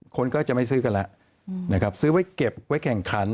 คนก็จะไม่ซื้อกันแล้วนะครับซื้อไว้เก็บไว้แข่งขัน